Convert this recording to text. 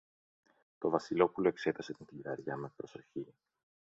Το Βασιλόπουλο εξέτασε την κλειδαριά με προσοχή.